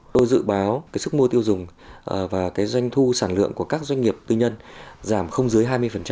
tôi dự báo cái sức mua tiêu dùng và cái doanh thu sản lượng của các doanh nghiệp tư nhân giảm không dưới hai mươi